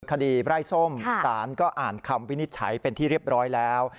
คดีไร้ส้มสารก็อ่านคำวินิจฉัยเป็นที่เรียบร้อยแล้ว